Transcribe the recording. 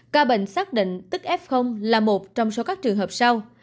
ca bệnh xác định tức f là một trong số các trường hợp sau